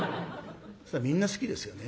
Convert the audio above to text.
みんな好きですよね。